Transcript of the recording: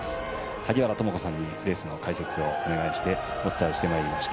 萩原智子さんにレースの解説をお願いしてお伝えしてまいりました。